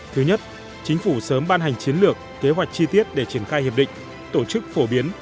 thứ nhất chính phủ sớm ban hành chiến lược kế hoạch chi tiết để triển khai hiệp định tổ chức phổ biến